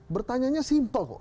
bertanyanya simpel kok